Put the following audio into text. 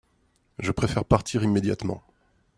Je préfère partir immédiatement.